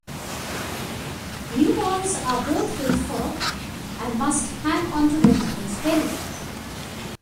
Newborns are both with fur and must hang onto their mother's belly.